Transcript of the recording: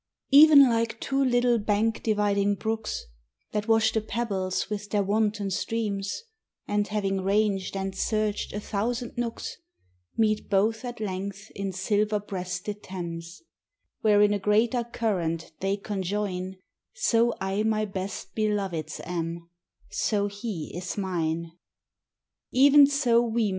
E'en like two little bank dividing brooks, That wash the pebbles with their wanton streams, And having ranged and searched a thousand nooks, Meet both at length in silver breasted Thames, Where in a greater current they conjoin: So I my Best Belovèd's am; so He is mine.